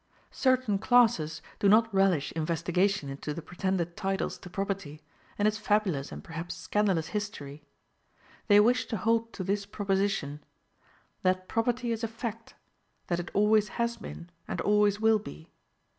Certain classes do not relish investigation into the pretended titles to property, and its fabulous and perhaps scandalous history. They wish to hold to this proposition: that property is a fact; that it always has been, and always will be.